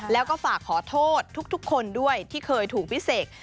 แล้วก็ฝากขอโทษทุกคนด้วยที่เคยถูกพี่เสก